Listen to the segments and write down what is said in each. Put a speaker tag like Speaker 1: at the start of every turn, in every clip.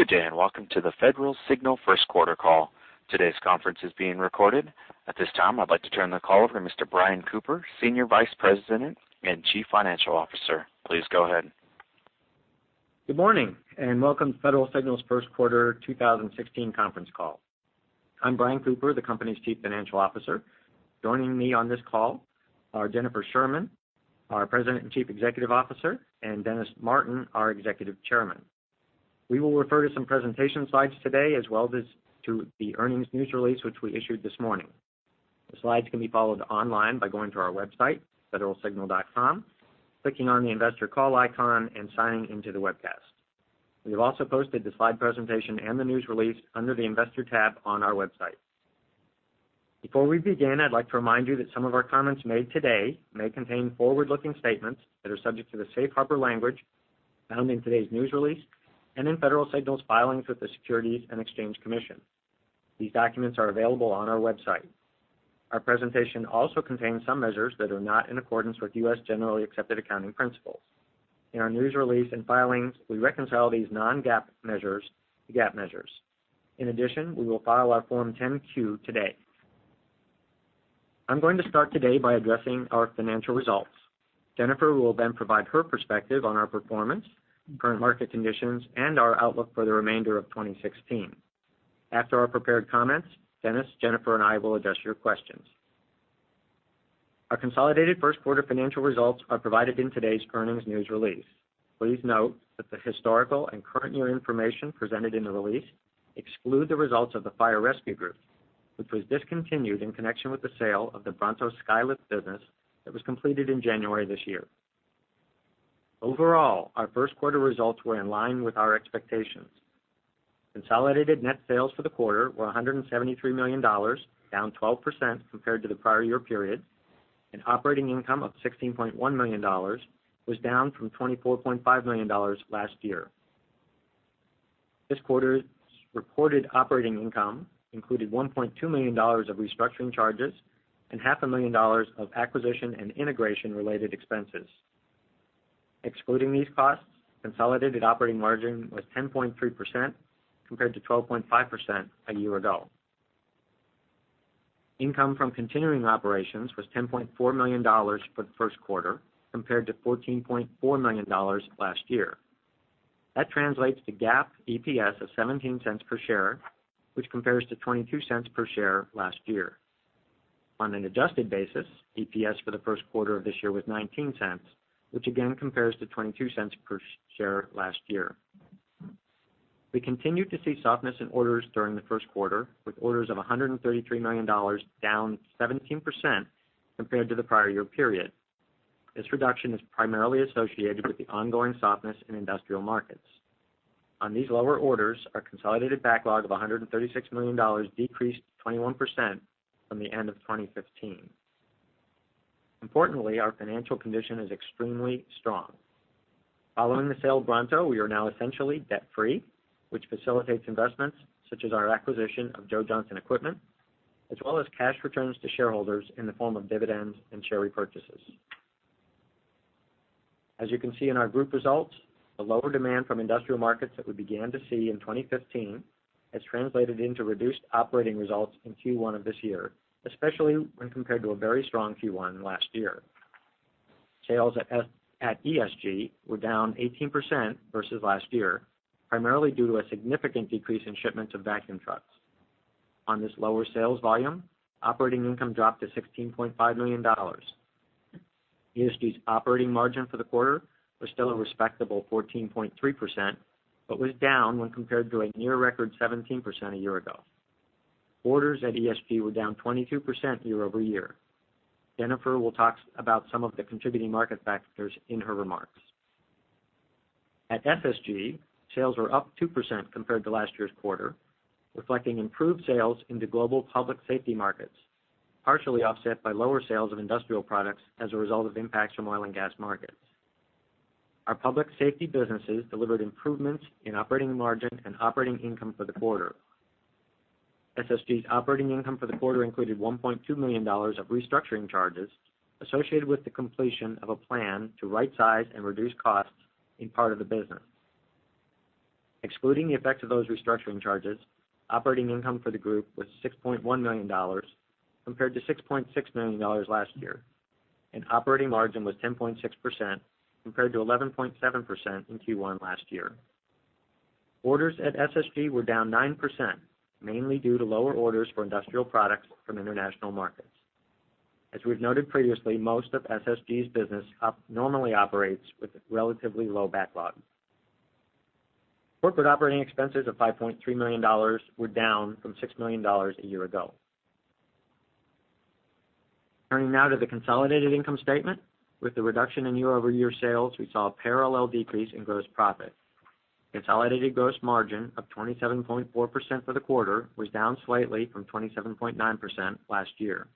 Speaker 1: Good day, and welcome to the Federal Signal first quarter call. Today's conference is being recorded. At this time, I'd like to turn the call over to Mr. Brian Cooper, Senior Vice President and Chief Financial Officer. Please go ahead.
Speaker 2: Good morning, and welcome to Federal Signal's first quarter 2016 conference call. I'm Brian Cooper, the company's Chief Financial Officer. Joining me on this call are Jennifer Sherman, our President and Chief Executive Officer, and Dennis Martin, our Executive Chairman. We will refer to some presentation slides today, as well as to the earnings news release, which we issued this morning. The slides can be followed online by going to our website, federalsignal.com, clicking on the investor call icon, and signing into the webcast. We have also posted the slide presentation and the news release under the investor tab on our website. Before we begin, I'd like to remind you that some of our comments made today may contain forward-looking statements that are subject to the safe harbor language found in today's news release and in Federal Signal's filings with the Securities and Exchange Commission. These documents are available on our website. Our presentation also contains some measures that are not in accordance with U.S. generally accepted accounting principles. In our news release and filings, we reconcile these non-GAAP measures to GAAP measures. In addition, we will file our Form 10-Q today. I'm going to start today by addressing our financial results. Jennifer will then provide her perspective on our performance, current market conditions, and our outlook for the remainder of 2016. After our prepared comments, Dennis, Jennifer, and I will address your questions. Our consolidated first quarter financial results are provided in today's earnings news release. Please note that the historical and current year information presented in the release exclude the results of the Fire Rescue Group, which was discontinued in connection with the sale of the Bronto Skylift business that was completed in January this year. Overall, our first quarter results were in line with our expectations. Consolidated net sales for the quarter were $173 million, down 12% compared to the prior year period, and operating income of $16.1 million was down from $24.5 million last year. This quarter's reported operating income included $1.2 million of restructuring charges and $500,000 of acquisition and integration related expenses. Excluding these costs, consolidated operating margin was 10.3% compared to 12.5% a year ago. Income from continuing operations was $10.4 million for the first quarter, compared to $14.4 million last year. That translates to GAAP EPS of $0.17 per share, which compares to $0.22 per share last year. On an adjusted basis, EPS for the first quarter of this year was $0.19, which again compares to $0.22 per share last year. We continued to see softness in orders during the first quarter, with orders of $133 million, down 17% compared to the prior year period. This reduction is primarily associated with the ongoing softness in industrial markets. On these lower orders, our consolidated backlog of $136 million decreased 21% from the end of 2015. Importantly, our financial condition is extremely strong. Following the sale of Bronto, we are now essentially debt-free, which facilitates investments such as our acquisition of Joe Johnson Equipment, as well as cash returns to shareholders in the form of dividends and share repurchases. As you can see in our group results, the lower demand from industrial markets that we began to see in 2015 has translated into reduced operating results in Q1 of this year, especially when compared to a very strong Q1 last year. Sales at ESG were down 18% versus last year, primarily due to a significant decrease in shipments of vacuum trucks. On this lower sales volume, operating income dropped to $16.5 million. ESG's operating margin for the quarter was still a respectable 14.3%, but was down when compared to a near-record 17% a year ago. Orders at ESG were down 22% year-over-year. Jennifer will talk about some of the contributing market factors in her remarks. At SSG, sales were up 2% compared to last year's quarter, reflecting improved sales in the global public safety markets, partially offset by lower sales of industrial products as a result of impacts from oil and gas markets. Our public safety businesses delivered improvements in operating margin and operating income for the quarter. SSG's operating income for the quarter included $1.2 million of restructuring charges associated with the completion of a plan to right size and reduce costs in part of the business. Excluding the effect of those restructuring charges, operating income for the group was $6.1 million compared to $6.6 million last year, and operating margin was 10.6% compared to 11.7% in Q1 last year. Orders at SSG were down 9%, mainly due to lower orders for industrial products from international markets. As we've noted previously, most of SSG's business normally operates with relatively low backlog. Corporate operating expenses of $5.3 million were down from $6 million a year ago. Turning now to the consolidated income statement. With the reduction in year-over-year sales, we saw a parallel decrease in gross profit. Consolidated gross margin of 27.4% for the quarter was down slightly from 27.9% last year.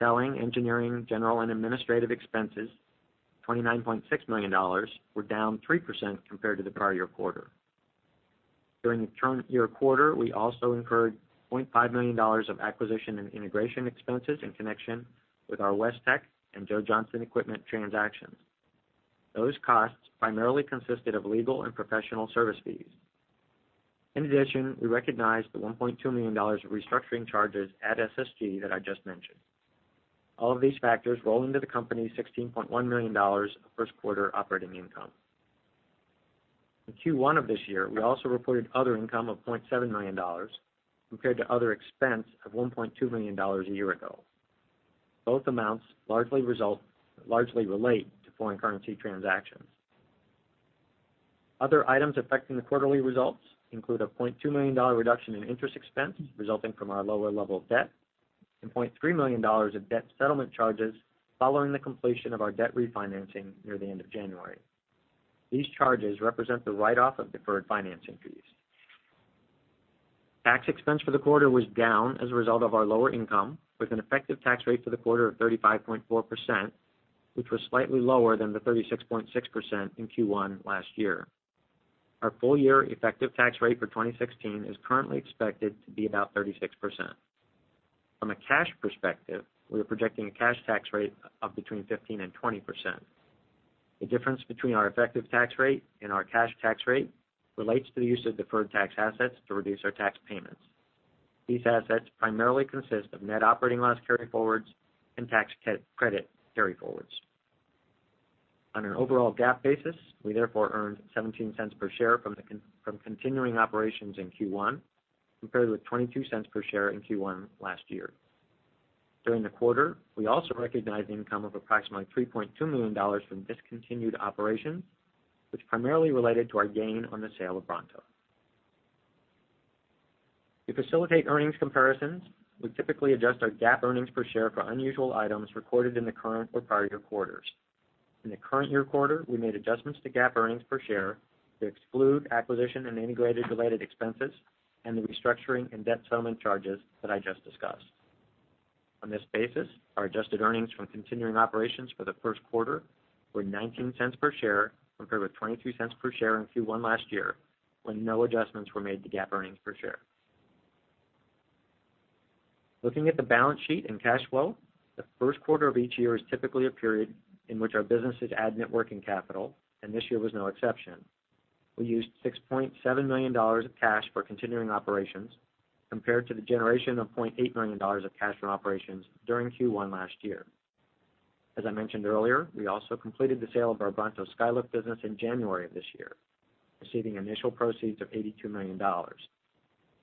Speaker 2: Selling, engineering, general and administrative expenses, $29.6 million, were down 3% compared to the prior year quarter. During the current year quarter, we also incurred $0.5 million of acquisition and integration expenses in connection with our Westech and Joe Johnson Equipment transactions. Those costs primarily consisted of legal and professional service fees. In addition, we recognized the $1.2 million of restructuring charges at SSG that I just mentioned. All of these factors roll into the company's $16.1 million first quarter operating income. In Q1 of this year, we also reported other income of $0.7 million compared to other expense of $1.2 million a year ago. Both amounts largely relate to foreign currency transactions. Other items affecting the quarterly results include a $0.2 million reduction in interest expense resulting from our lower level of debt and $0.3 million of debt settlement charges following the completion of our debt refinancing near the end of January. These charges represent the write-off of deferred financing fees. Tax expense for the quarter was down as a result of our lower income, with an effective tax rate for the quarter of 35.4%, which was slightly lower than the 36.6% in Q1 last year. Our full-year effective tax rate for 2016 is currently expected to be about 36%. From a cash perspective, we are projecting a cash tax rate of between 15%-20%. The difference between our effective tax rate and our cash tax rate relates to the use of deferred tax assets to reduce our tax payments. These assets primarily consist of net operating loss carryforwards and tax credit carryforwards. On an overall GAAP basis, we therefore earned $0.17 per share from continuing operations in Q1, compared with $0.22 per share in Q1 last year. During the quarter, we also recognized income of approximately $3.2 million from discontinued operations, which primarily related to our gain on the sale of Bronto. To facilitate earnings comparisons, we typically adjust our GAAP earnings per share for unusual items recorded in the current or prior-year quarters. In the current year quarter, we made adjustments to GAAP earnings per share to exclude acquisition and integrated related expenses and the restructuring and debt settlement charges that I just discussed. On this basis, our adjusted earnings from continuing operations for the first quarter were $0.19 per share compared with $0.22 per share in Q1 last year, when no adjustments were made to GAAP earnings per share. Looking at the balance sheet and cash flow, the first quarter of each year is typically a period in which our businesses add net working capital, and this year was no exception. We used $6.7 million of cash for continuing operations compared to the generation of $0.8 million of cash from operations during Q1 last year. As I mentioned earlier, we also completed the sale of our Bronto Skylift business in January of this year, receiving initial proceeds of $82 million.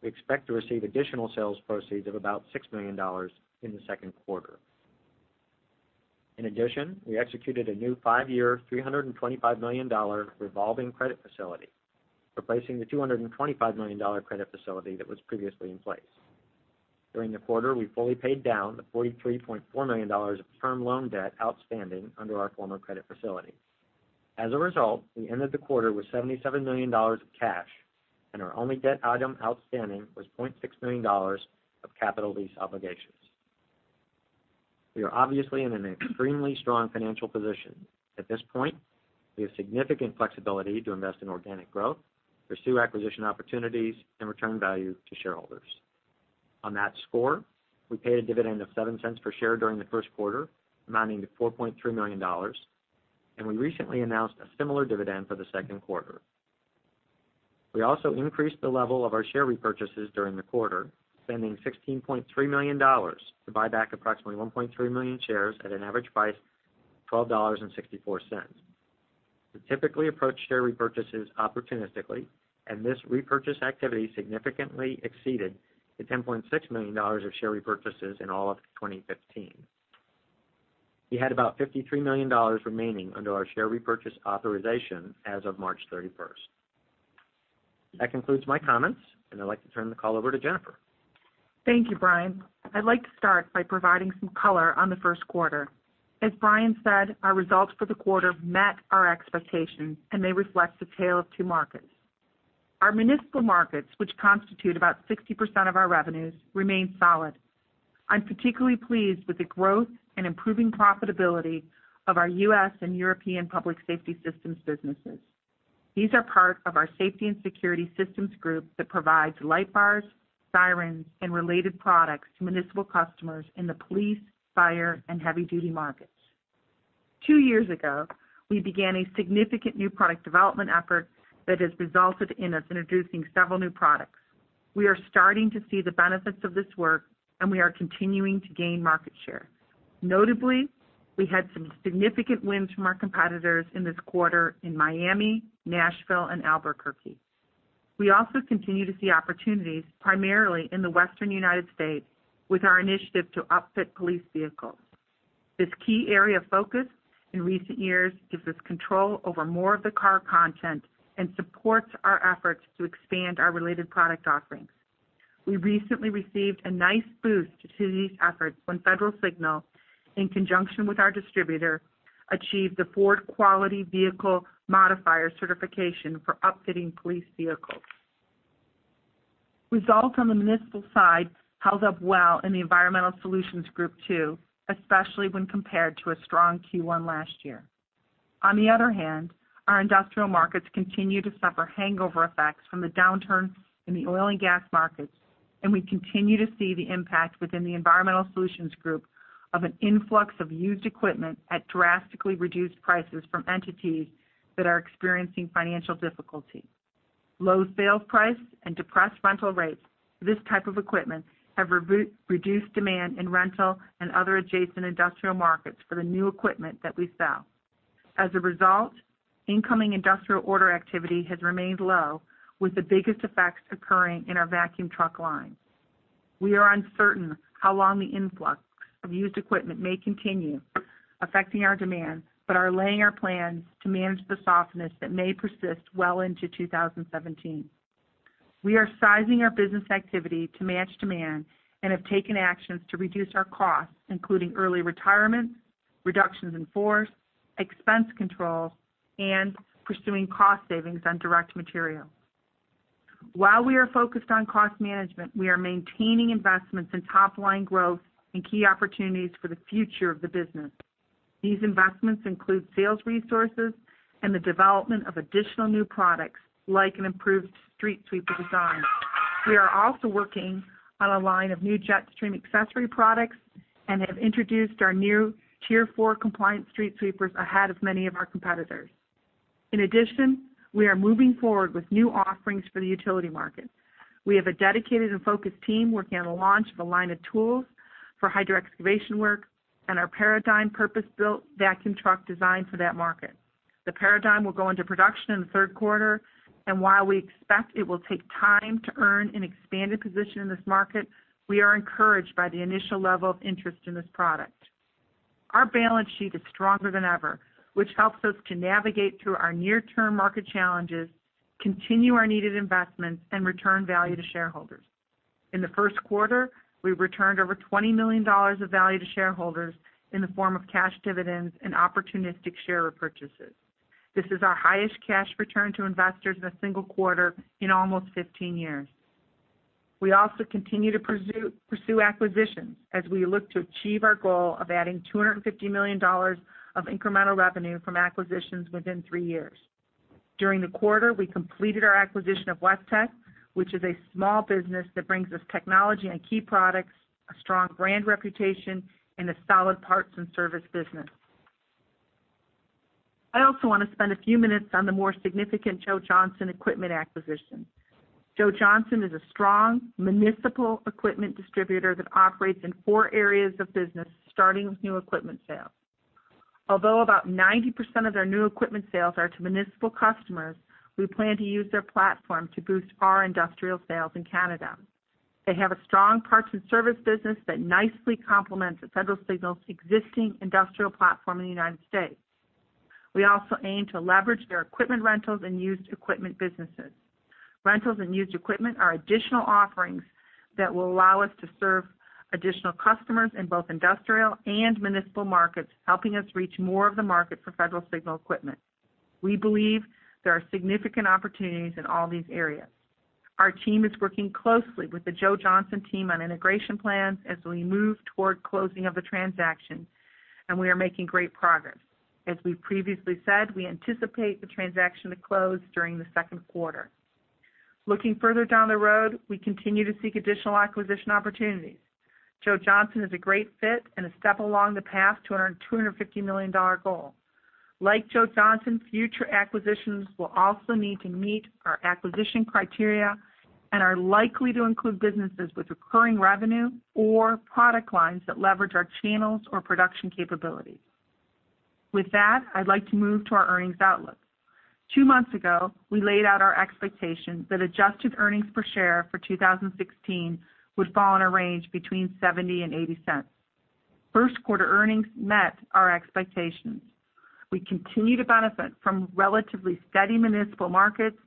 Speaker 2: We expect to receive additional sales proceeds of about $6 million in the second quarter. We executed a new five-year, $325 million revolving credit facility, replacing the $225 million credit facility that was previously in place. During the quarter, we fully paid down the $43.4 million of term loan debt outstanding under our former credit facility. We ended the quarter with $77 million of cash, and our only debt item outstanding was $0.6 million of capital lease obligations. We are obviously in an extremely strong financial position. At this point, we have significant flexibility to invest in organic growth, pursue acquisition opportunities, and return value to shareholders. We paid a dividend of $0.07 per share during the first quarter, amounting to $4.3 million, and we recently announced a similar dividend for the second quarter. We also increased the level of our share repurchases during the quarter, spending $16.3 million to buy back approximately 1.3 million shares at an average price of $12.64. We typically approach share repurchases opportunistically. This repurchase activity significantly exceeded the $10.6 million of share repurchases in all of 2015. We had about $53 million remaining under our share repurchase authorization as of March 31st. That concludes my comments, and I'd like to turn the call over to Jennifer.
Speaker 3: Thank you, Brian. I'd like to start by providing some color on the first quarter. As Brian said, our results for the quarter met our expectations. They reflect the tale of two markets. Our municipal markets, which constitute about 60% of our revenues, remain solid. I'm particularly pleased with the growth and improving profitability of our U.S. and European Public Safety Systems businesses. These are part of our Safety and Security Systems Group that provides lightbars, sirens, and related products to municipal customers in the police, fire, and heavy-duty markets. Two years ago, we began a significant new product development effort that has resulted in us introducing several new products. We are starting to see the benefits of this work. We are continuing to gain market share. Notably, we had some significant wins from our competitors in this quarter in Miami, Nashville, and Albuquerque. We also continue to see opportunities primarily in the Western United States with our initiative to upfit police vehicles. This key area of focus in recent years gives us control over more of the car content and supports our efforts to expand our related product offerings. We recently received a nice boost to these efforts when Federal Signal, in conjunction with our distributor, achieved the Ford Qualified Vehicle Modifier certification for upfitting police vehicles. Results on the municipal side held up well in the Environmental Solutions Group too, especially when compared to a strong Q1 last year. On the other hand, our industrial markets continue to suffer hangover effects from the downturn in the oil and gas markets. We continue to see the impact within the Environmental Solutions Group of an influx of used equipment at drastically reduced prices from entities that are experiencing financial difficulty. Low sales price and depressed rental rates for this type of equipment have reduced demand in rental and other adjacent industrial markets for the new equipment that we sell. As a result, incoming industrial order activity has remained low, with the biggest effects occurring in our vacuum truck line. We are uncertain how long the influx of used equipment may continue affecting our demand but are laying our plans to manage the softness that may persist well into 2017. We are sizing our business activity to match demand and have taken actions to reduce our costs, including early retirement, reductions in force, expense control, and pursuing cost savings on direct material. While we are focused on cost management, we are maintaining investments in top-line growth and key opportunities for the future of the business. These investments include sales resources and the development of additional new products, like an improved street sweeper design. We are also working on a line of new JetStream accessory products and have introduced our new Tier 4 compliance street sweepers ahead of many of our competitors. In addition, we are moving forward with new offerings for the utility market. We have a dedicated and focused team working on the launch of a line of tools for hydro-excavation work and our Paradigm purpose-built vacuum truck designed for that market. The Paradigm will go into production in the third quarter, and while we expect it will take time to earn an expanded position in this market, we are encouraged by the initial level of interest in this product. Our balance sheet is stronger than ever, which helps us to navigate through our near-term market challenges, continue our needed investments, and return value to shareholders. In the first quarter, we returned over $20 million of value to shareholders in the form of cash dividends and opportunistic share repurchases. This is our highest cash return to investors in a single quarter in almost 15 years. We also continue to pursue acquisitions as we look to achieve our goal of adding $250 million of incremental revenue from acquisitions within three years. During the quarter, we completed our acquisition of Westech, which is a small business that brings us technology and key products, a strong brand reputation, and a solid parts and service business. I also want to spend a few minutes on the more significant Joe Johnson Equipment acquisition. Joe Johnson is a strong municipal equipment distributor that operates in four areas of business, starting with new equipment sales. Although about 90% of their new equipment sales are to municipal customers, we plan to use their platform to boost our industrial sales in Canada. They have a strong parts and service business that nicely complements Federal Signal's existing industrial platform in the United States. We also aim to leverage their equipment rentals and used equipment businesses. Rentals and used equipment are additional offerings that will allow us to serve additional customers in both industrial and municipal markets, helping us reach more of the market for Federal Signal equipment. We believe there are significant opportunities in all these areas. Our team is working closely with the Joe Johnson team on integration plans as we move toward closing of the transaction, and we are making great progress. As we previously said, we anticipate the transaction to close during the second quarter. Looking further down the road, we continue to seek additional acquisition opportunities. Joe Johnson is a great fit and a step along the path to our $250 million goal. Like Joe Johnson, future acquisitions will also need to meet our acquisition criteria and are likely to include businesses with recurring revenue or product lines that leverage our channels or production capabilities. With that, I'd like to move to our earnings outlook. Two months ago, we laid out our expectation that adjusted earnings per share for 2016 would fall in a range between $0.70 and $0.80. First quarter earnings met our expectations. We continue to benefit from relatively steady municipal markets,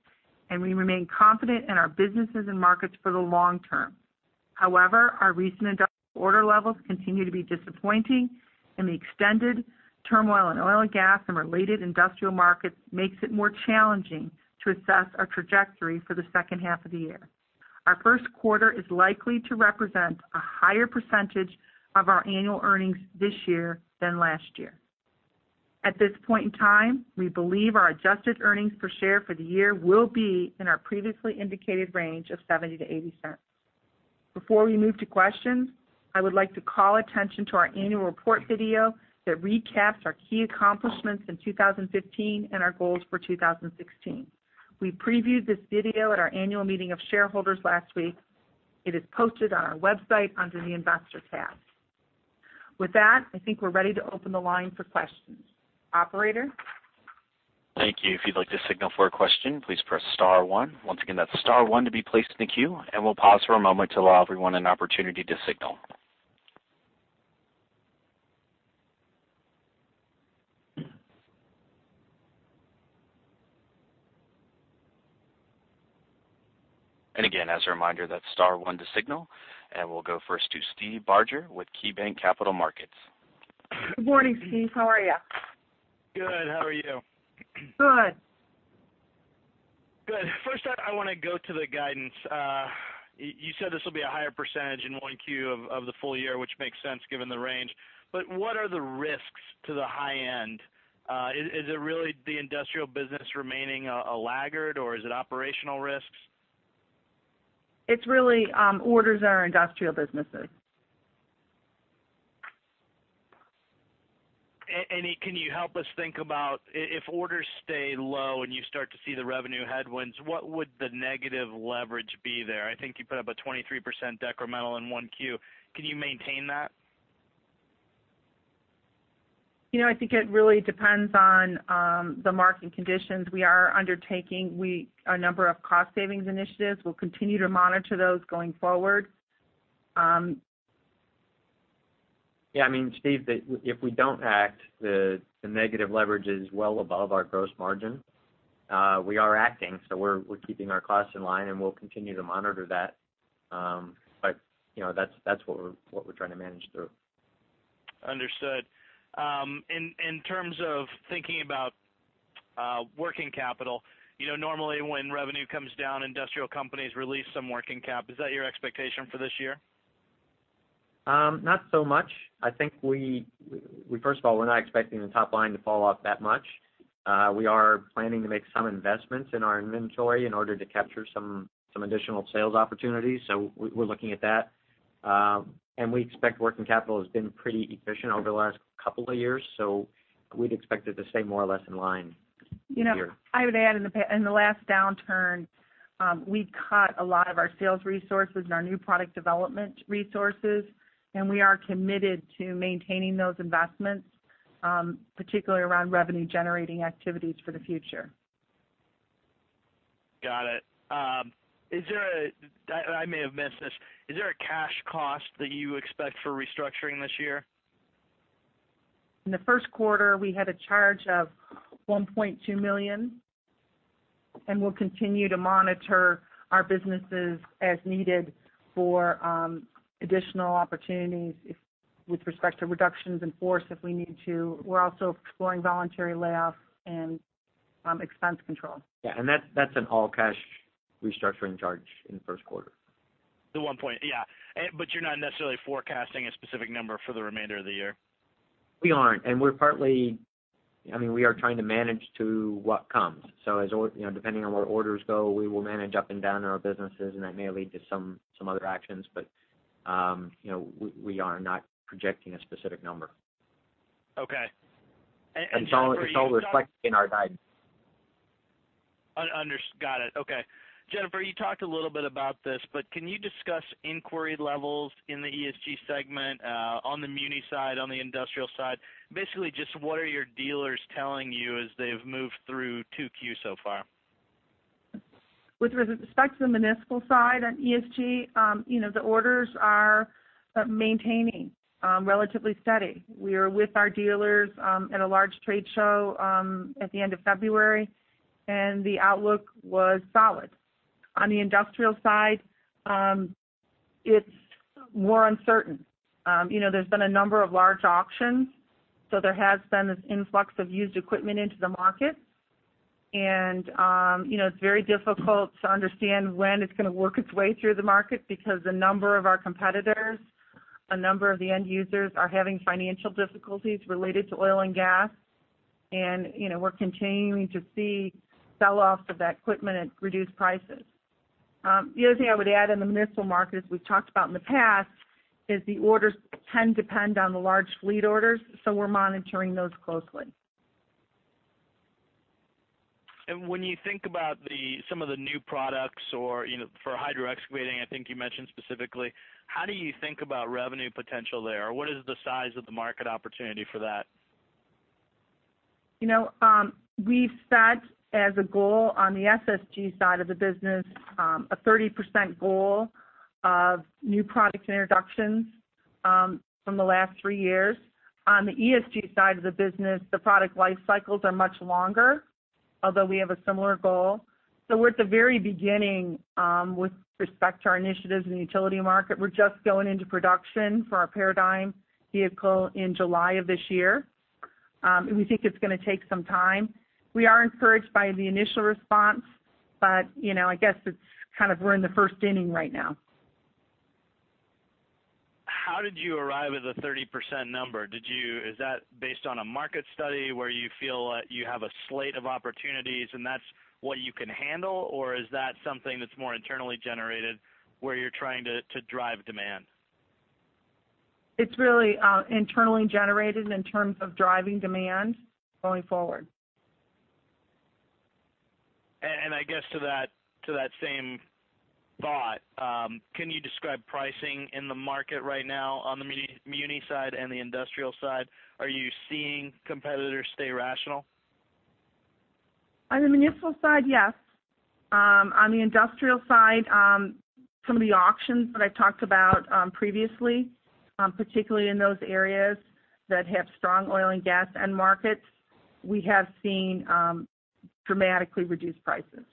Speaker 3: and we remain confident in our businesses and markets for the long term. Our recent industrial order levels continue to be disappointing, and the extended turmoil in oil and gas and related industrial markets makes it more challenging to assess our trajectory for the second half of the year. Our first quarter is likely to represent a higher percentage of our annual earnings this year than last year. At this point in time, we believe our adjusted earnings per share for the year will be in our previously indicated range of $0.70-$0.80. Before we move to questions, I would like to call attention to our annual report video that recaps our key accomplishments in 2015 and our goals for 2016. We previewed this video at our annual meeting of shareholders last week. It is posted on our website under the investor tab. With that, I think we're ready to open the line for questions. Operator?
Speaker 1: Thank you. If you'd like to signal for a question, please press star one. Once again, that's star one to be placed in the queue. We'll pause for a moment to allow everyone an opportunity to signal. Again, as a reminder, that's star one to signal. We'll go first to Steve Barger with KeyBanc Capital Markets.
Speaker 3: Good morning, Steve. How are you?
Speaker 4: Good. How are you?
Speaker 3: Good.
Speaker 4: Good. First up, I want to go to the guidance. You said this will be a higher percentage in 1Q of the full year, which makes sense given the range. What are the risks to the high end? Is it really the industrial business remaining a laggard, or is it operational risks?
Speaker 3: It's really orders in our industrial businesses.
Speaker 4: Can you help us think about if orders stay low and you start to see the revenue headwinds, what would the negative leverage be there? I think you put up a 23% decremental in 1Q. Can you maintain that?
Speaker 3: I think it really depends on the market conditions. We are undertaking a number of cost savings initiatives. We'll continue to monitor those going forward.
Speaker 2: Yeah, Steve, if we don't act, the negative leverage is well above our gross margin. We are acting, so we're keeping our costs in line, and we'll continue to monitor that. That's what we're trying to manage through.
Speaker 4: Understood. In terms of thinking about working capital, normally when revenue comes down, industrial companies release some working cap. Is that your expectation for this year?
Speaker 2: Not so much. I think first of all, we're not expecting the top line to fall off that much. We are planning to make some investments in our inventory in order to capture some additional sales opportunities. We're looking at that. We expect working capital has been pretty efficient over the last couple of years, so we'd expect it to stay more or less in line this year.
Speaker 3: I would add, in the last downturn, we cut a lot of our sales resources and our new product development resources, and we are committed to maintaining those investments, particularly around revenue-generating activities for the future.
Speaker 4: Got it. I may have missed this. Is there a cash cost that you expect for restructuring this year?
Speaker 3: In the first quarter, we had a charge of $1.2 million, we'll continue to monitor our businesses as needed for additional opportunities with respect to reductions in force if we need to. We're also exploring voluntary layoffs and expense control.
Speaker 2: Yeah, that's an all-cash restructuring charge in the first quarter.
Speaker 4: The one point, yeah. You're not necessarily forecasting a specific number for the remainder of the year?
Speaker 2: We aren't, we are trying to manage to what comes. Depending on where orders go, we will manage up and down in our businesses, and that may lead to some other actions. We are not projecting a specific number.
Speaker 4: Okay. Jennifer, you-
Speaker 2: It's all reflected in our guidance.
Speaker 4: Understood. Got it. Okay. Jennifer, you talked a little bit about this, can you discuss inquiry levels in the ESG segment on the muni side, on the industrial side? Basically, just what are your dealers telling you as they've moved through 2Q so far?
Speaker 3: With respect to the municipal side on ESG, the orders are maintaining relatively steady. We are with our dealers at a large trade show at the end of February, and the outlook was solid. On the industrial side, it's more uncertain. There's been a number of large auctions, so there has been this influx of used equipment into the market, and it's very difficult to understand when it's going to work its way through the market because a number of our competitors, a number of the end users, are having financial difficulties related to oil and gas, and we're continuing to see sell-offs of that equipment at reduced prices. The other thing I would add in the municipal market, as we've talked about in the past, is the orders tend to depend on the large fleet orders. We're monitoring those closely.
Speaker 4: When you think about some of the new products for hydro-excavation, I think you mentioned specifically, how do you think about revenue potential there, or what is the size of the market opportunity for that?
Speaker 3: We've set as a goal on the SSG side of the business, a 30% goal of new product introductions from the last three years. On the ESG side of the business, the product life cycles are much longer, although we have a similar goal. We're at the very beginning with respect to our initiatives in the utility market. We're just going into production for our Paradigm vehicle in July of this year. We think it's going to take some time. We are encouraged by the initial response, but I guess it's kind of we're in the first inning right now.
Speaker 4: How did you arrive at the 30% number? Is that based on a market study where you feel that you have a slate of opportunities and that's what you can handle, or is that something that's more internally generated where you're trying to drive demand?
Speaker 3: It's really internally generated in terms of driving demand going forward.
Speaker 4: I guess to that same thought, can you describe pricing in the market right now on the muni side and the industrial side? Are you seeing competitors stay rational?
Speaker 3: On the municipal side, yes. On the industrial side, some of the auctions that I talked about previously, particularly in those areas that have strong oil and gas end markets, we have seen dramatically reduced prices.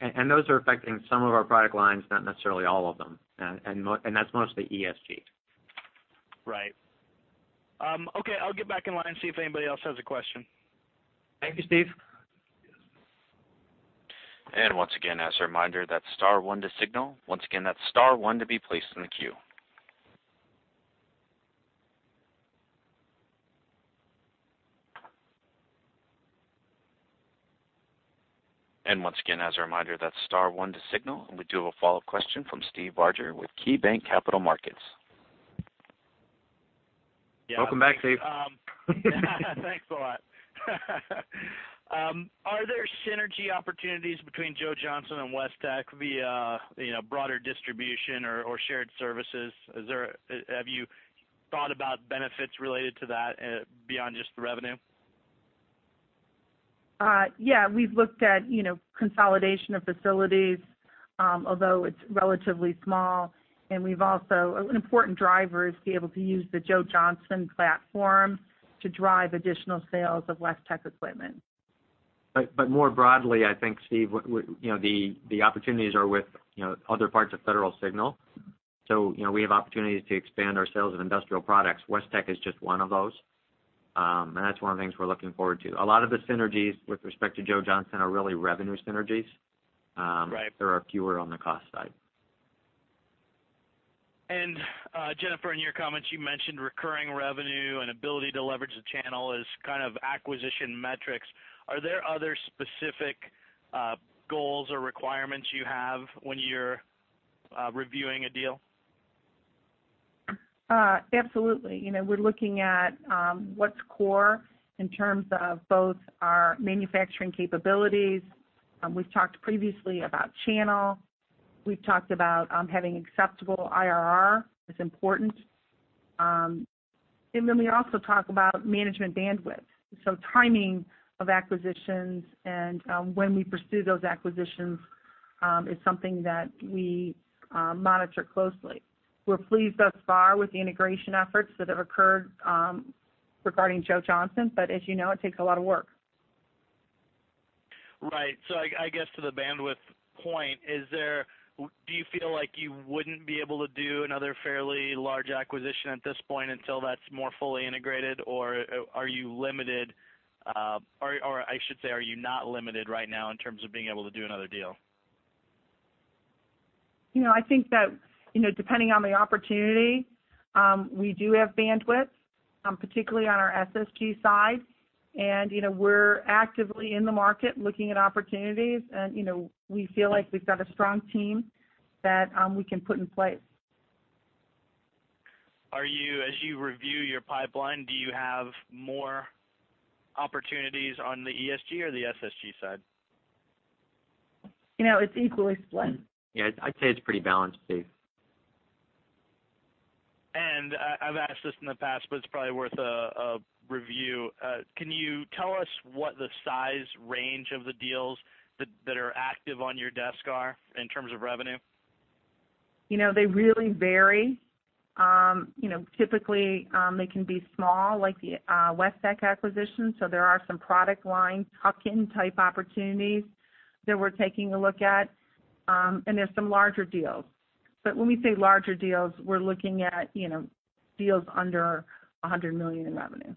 Speaker 2: Those are affecting some of our product lines, not necessarily all of them. That's mostly ESG.
Speaker 4: Right. Okay, I'll get back in line and see if anybody else has a question.
Speaker 2: Thank you, Steve.
Speaker 1: Once again, as a reminder, that's star one to signal. Once again, that's star one to be placed in the queue. Once again, as a reminder, that's star one to signal. We do have a follow-up question from Steve Barger with KeyBanc Capital Markets.
Speaker 2: Welcome back, Steve.
Speaker 4: Thanks a lot. Are there synergy opportunities between Joe Johnson and Westech via broader distribution or shared services? Have you thought about benefits related to that beyond just the revenue?
Speaker 3: Yeah. We've looked at consolidation of facilities, although it's relatively small. An important driver is to be able to use the Joe Johnson platform to drive additional sales of Westech equipment.
Speaker 2: More broadly, I think, Steve, the opportunities are with other parts of Federal Signal. We have opportunities to expand our sales of industrial products. Westech is just one of those, and that's one of the things we're looking forward to. A lot of the synergies with respect to Joe Johnson are really revenue synergies.
Speaker 4: Right.
Speaker 2: There are fewer on the cost side.
Speaker 4: Jennifer, in your comments, you mentioned recurring revenue and ability to leverage the channel as kind of acquisition metrics. Are there other specific goals or requirements you have when you're reviewing a deal?
Speaker 3: Absolutely. We're looking at what's core in terms of both our manufacturing capabilities. We've talked previously about channel, we've talked about having acceptable IRR is important. We also talk about management bandwidth. Timing of acquisitions and when we pursue those acquisitions is something that we monitor closely. We're pleased thus far with the integration efforts that have occurred regarding Joe Johnson. As you know, it takes a lot of work.
Speaker 4: Right. I guess to the bandwidth point, do you feel like you wouldn't be able to do another fairly large acquisition at this point until that's more fully integrated? Or are you not limited right now in terms of being able to do another deal?
Speaker 3: I think that depending on the opportunity, we do have bandwidth, particularly on our SSG side, and we're actively in the market looking at opportunities, and we feel like we've got a strong team that we can put in place.
Speaker 4: As you review your pipeline, do you have more opportunities on the ESG or the SSG side?
Speaker 3: It's equally split.
Speaker 2: Yeah. I'd say it's pretty balanced, Steve.
Speaker 4: I've asked this in the past, but it's probably worth a review. Can you tell us what the size range of the deals that are active on your desk are in terms of revenue?
Speaker 3: They really vary. Typically, they can be small, like the Westech acquisition. There are some product line tuck-in type opportunities that we're taking a look at. There's some larger deals. When we say larger deals, we're looking at deals under $100 million in revenue.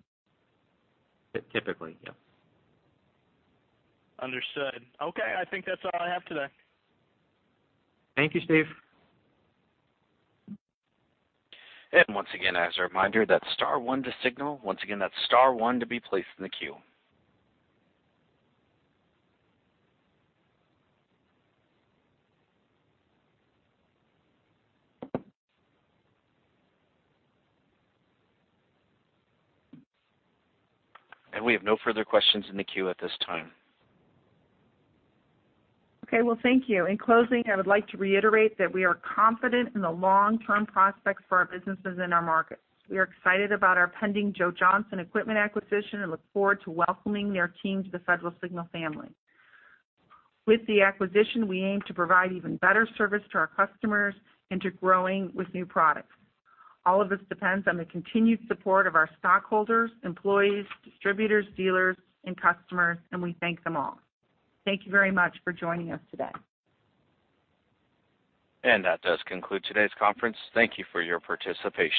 Speaker 2: Typically, yeah.
Speaker 4: Understood. Okay, I think that's all I have today.
Speaker 2: Thank you, Steve.
Speaker 1: Once again, as a reminder, that's star one to signal. Once again, that's star one to be placed in the queue. We have no further questions in the queue at this time.
Speaker 3: Okay, well, thank you. In closing, I would like to reiterate that we are confident in the long-term prospects for our businesses and our markets. We are excited about our pending Joe Johnson Equipment acquisition and look forward to welcoming their team to the Federal Signal family. With the acquisition, we aim to provide even better service to our customers and to growing with new products. All of this depends on the continued support of our stockholders, employees, distributors, dealers, and customers, and we thank them all. Thank you very much for joining us today.
Speaker 1: That does conclude today's conference. Thank you for your participation.